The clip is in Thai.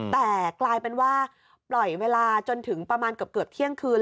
แต่กลายเป็นว่าปล่อยเวลาจนถึงประมาณเกือบเที่ยงคืน